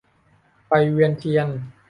ไปเวียนเทียน